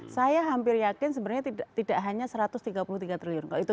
saya hampir yakin sebenarnya tidak hanya satu ratus tiga puluh tiga triliun